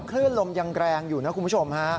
คลื่นลมยังแรงอยู่นะคุณผู้ชมฮะ